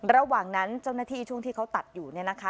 ระหว่างนั้นเจ้าหน้าที่ช่วงที่เขาตัดอยู่เนี่ยนะคะ